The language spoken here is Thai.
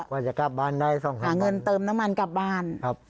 ว่าจะกลับบ้านได้สองหาเงินเติมน้ำมันกลับบ้านครับ